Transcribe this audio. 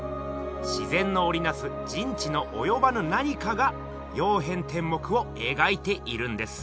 自然のおりなす人知のおよばぬ何かが「曜変天目」をえがいているんです。